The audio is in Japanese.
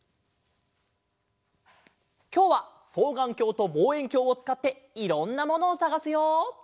きょうはそうがんきょうとぼうえんきょうをつかっていろんなものをさがすよ！